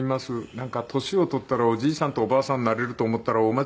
なんか年を取ったらおじいさんとおばあさんになれると思ったら大間違いで。